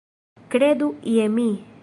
Kredu je mi.